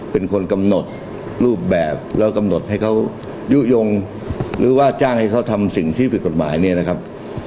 เป็นคนกำหนดรูปแบบแล้วกำหนดให้เขายุโยงหรือว่าจ้างให้เขาทำสิ่งที่ผิดกฎหมายเนี่ยนะครับ